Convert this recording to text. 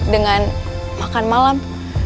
dengan makan malam